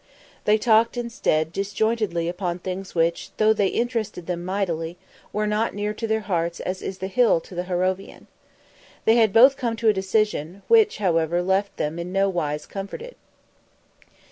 They talked, instead, disjointedly upon things which, though they interested them mightily, were not near their hearts as is the Hill to the Harrovian. They had both come to a decision, which, however, left them in nowise comforted.